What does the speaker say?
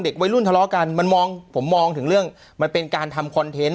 วัยรุ่นทะเลาะกันมันมองผมมองถึงเรื่องมันเป็นการทำคอนเทนต์